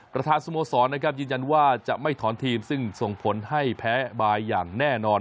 สโมสรนะครับยืนยันว่าจะไม่ถอนทีมซึ่งส่งผลให้แพ้บายอย่างแน่นอน